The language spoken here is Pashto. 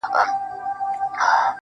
سردونو ویښ نه کړای سو.